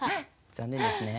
残念です。